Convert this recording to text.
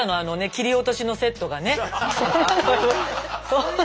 あの切り落としのセットがね。